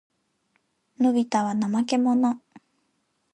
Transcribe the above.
のびたは怠けもの。